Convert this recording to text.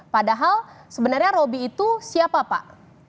padahal sebenarnya robby itu siapa pak